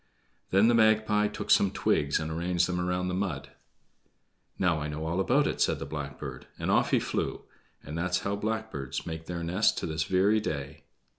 Then the Magpie took some twigs and arranged them around in the mud. "Now I know all about it," said the blackbird, and off he flew; and that's how the blackbirds make their nests to this very day.